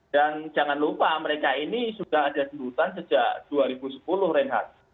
dan jangan lupa mereka ini sudah ada di hutan sejak dua ribu sepuluh reinhard